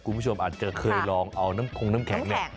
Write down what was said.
คุณผู้ชมอาจจะเคยลองเอาน้ำคงน้ำแข็งเนี่ย